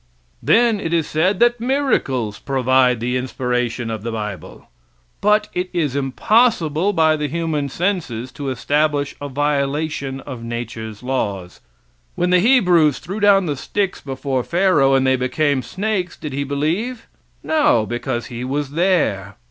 Then it is said that miracles prove the inspiration of the bible. But it is impossible by the human senses to establish a violation of nature's laws. When the Hebrews threw down sticks before Pharaoh, and they became snakes, did he believe? No; because he was there.